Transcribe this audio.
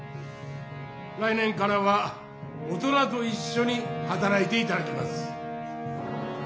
来年からは大人といっしょにはたらいていただきます」。